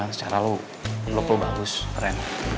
kan secara lo lo ke lo bagus keren